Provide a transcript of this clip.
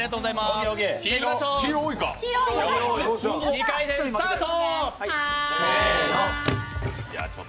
２回戦スタート。